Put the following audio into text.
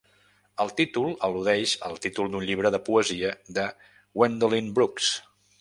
El títol al·ludeix al títol d'un llibre de poesia de Gwendolyn Brooks.